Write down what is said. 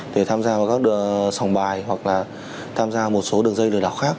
để tham gia vào các sòng bài hoặc là tham gia một số đường dây lừa đảo khác